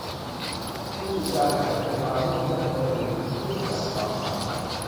ภูติจางหายไปในความมืดเมื่อเธอตื่นขึ้นจากความฝัน